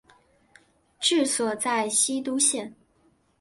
治所在西都县。